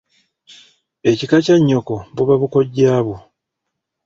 Ekika kya nnyoko buba bukojjabwo.